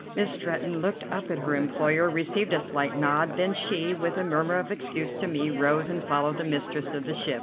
Miss Stretton looked up at her employer, received a slight nod, then she, with a murmur of excuse to me, rose and followed the mistress of the ship.